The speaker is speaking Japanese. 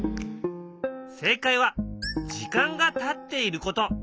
正解は時間がたっていること。